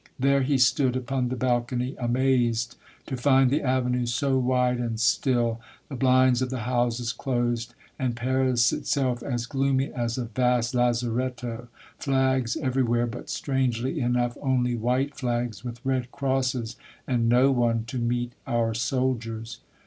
There he stood upon the balcony, amazed to find the avenue so wide and still, the blinds of the houses closed, and Paris itself as gloomy as a vast lazaretto, flags every where, but strangely enough, only white flags with red crosses, and no one to meet our soldiers.